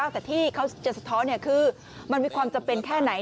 แต่ที่เขาจะสะท้อนคือมันมีความจำเป็นแค่ไหน